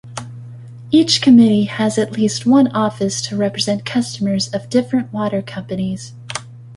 Each committee has at least one office to represent customers of different water companies.